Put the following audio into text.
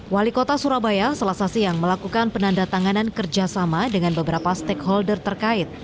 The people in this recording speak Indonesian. wali kota surabaya selesai siang melakukan penandatanganan kerjasama dengan beberapa stakeholder terkait